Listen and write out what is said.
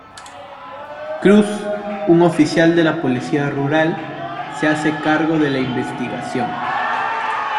Cruz, un oficial de la policía rural, se hace cargo de la investigación.